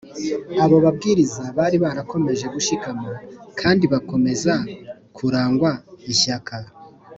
Abo babwiriza bari barakomeje gushikama kandi bakomeza kurangwa ishyaka